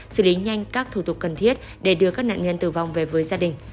xử lý nhanh các thủ tục cần thiết để đưa các nạn nhân tử vong về với gia đình